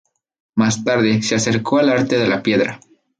Más tarde, se acercó al arte de la piedra.